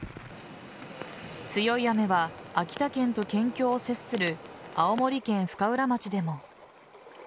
強い雨は秋田県と県境を接する青森県深浦町でも。